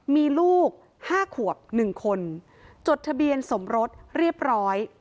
มีลูก๕ขวบ๑คนจดทะเบียนสมรสเรียบร้อย